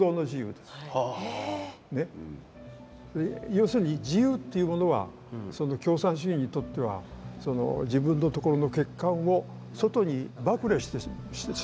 要するに自由っていうものはその共産主義にとってはその自分のところの欠陥を外に暴露してしまう。